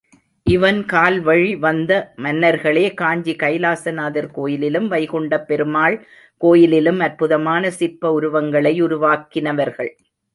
இவன் கால்வழி வந்த மன்னர்களே காஞ்சி கைலாசநாதர் கோயிலிலும், வைகுண்டப் பெருமாள் கோயிலிலும் அற்புதமான சிற்ப உருவங்களை உருவாக்கினவர்கள்.